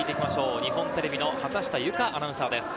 日本テレビの畑下由佳アナウンサーです。